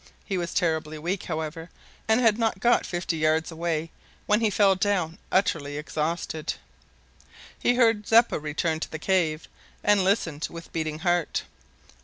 He was terribly weak, however, and had not got fifty yards away when he fell down utterly exhausted. He heard Zeppa return to the cave, and listened with beating heart.